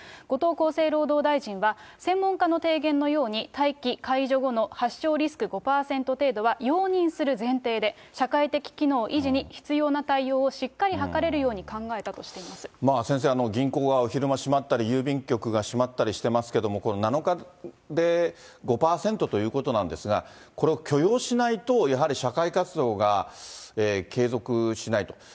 後藤厚生労働大臣は、専門家の提言のように、待機解除後の発症リスク５％程度は容認する前提で、社会的機能維持に必要な対応をしっかり図れるように考えたとしてまあ先生、銀行が昼間閉まったり、郵便局が閉まったりしてますけども、この７日で５％ということなんですが、これを許容しないと、やはり社会活動が継続しないと。